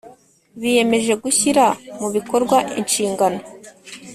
biyemeje gushyira mu bikorwa inshingano